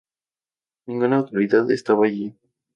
Ninguna autoridad estaba allí.